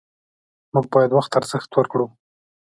موږ باید وخت ته ارزښت ورکړو